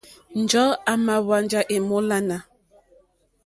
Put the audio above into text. Njɔ̀ɔ́ àmà hwánjá èmólánà.